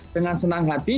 dengan senang hati